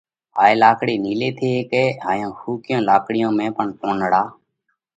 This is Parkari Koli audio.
هائي لاڪڙئِي نِيلئِي ٿي هيڪئه۔ هائيون ۿُوڪِيون لاڪڙِيون ۾ پڻ پونَڙا